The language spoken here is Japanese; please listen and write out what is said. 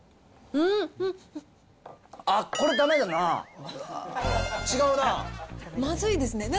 あっ、これ、だめだなぁ、違まずいですね。